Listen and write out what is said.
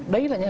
đấy là những